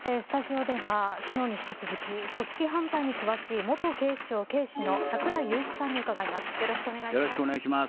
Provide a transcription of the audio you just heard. スタジオでは昨日に引き続き組織犯罪に詳しい元警視庁警視の櫻井裕一さんに伺います。